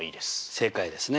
正解ですね。